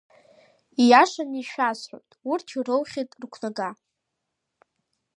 Ииашаны ишәасҳәоит, урҭ ироухьеит рықәнага.